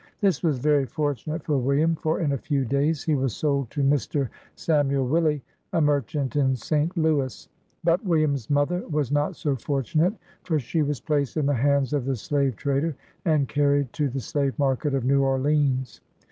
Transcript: This was very fortunate for William, for in a few days he was sold to Mr. Samuel Willi, a merchant in St. Louis. But William's mother was not so fortunate, for she was placed in the hands of the slave trader, and carried to the slave market of Xew Orleans.